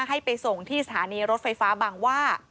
ให้ไปส่งที่สถานีรถไฟฟ้าบางว่า